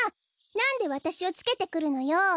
なんでわたしをつけてくるのよ！